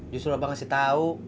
justru abang ngasih tahu